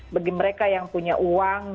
bagi mereka yang punya uang